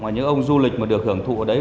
những ông du lịch mà được hưởng thụ ở đấy